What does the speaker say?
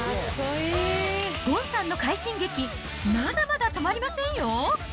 ゴンさんの快進撃、まだまだ止まりませんよ。